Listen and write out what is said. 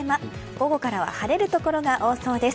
午後からは晴れるところが多そうです。